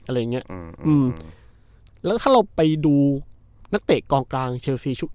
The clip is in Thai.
อะไรอย่างเงี้ยอืมอืมแล้วถ้าเราไปดูนักเตะกองกลางเชลซีชุด